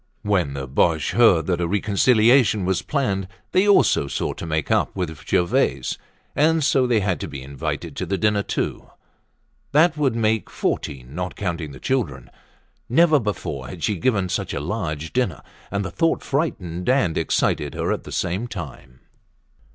When the Boches heard that a reconciliation was planned, they also sought to make up with Gervaise, and so they had to be invited to the dinner too. That would make fourteen, not counting the children. Never before had she given such a large dinner and the thought frightened and excited her at the same time.